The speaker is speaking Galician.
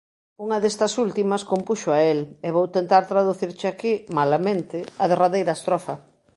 Unha destas últimas compúxoa el, e vou tentar traducirche aquí −malamente− a derradeira estrofa.